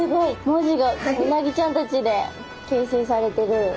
文字がうなぎちゃんたちで形成されてる。